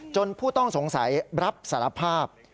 ผู้ต้องสงสัยรับสารภาพ